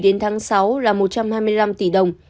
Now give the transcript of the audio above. đến tháng sáu là một trăm hai mươi năm tỷ đồng